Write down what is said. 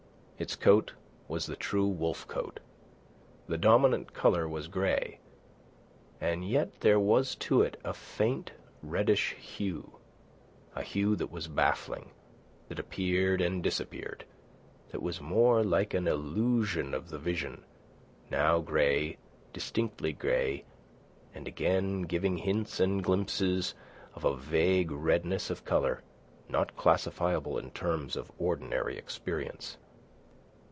Its coat was the true wolf coat. The dominant colour was grey, and yet there was to it a faint reddish hue—a hue that was baffling, that appeared and disappeared, that was more like an illusion of the vision, now grey, distinctly grey, and again giving hints and glints of a vague redness of colour not classifiable in terms of ordinary experience.